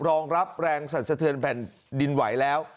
รองรับแรงสันสะเทือนแผ่นดินไหวแล้ว